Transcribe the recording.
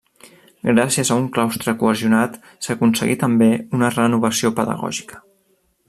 Gràcies a un claustre cohesionat, s'aconseguí també una renovació pedagògica.